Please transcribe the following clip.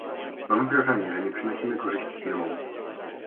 Mam wrażenie, że nie przynosimy korzyści firmom